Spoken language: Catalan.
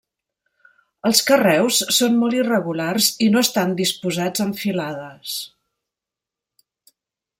Els carreus són molt irregulars i no estan disposats en filades.